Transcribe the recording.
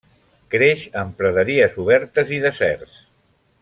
Creix en praderies obertes i deserts.